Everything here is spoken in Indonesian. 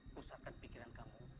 pusatkan pikiran kamu